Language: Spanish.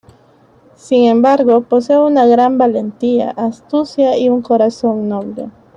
Sin embargo, posee una gran valentía, astucia y un corazón noble.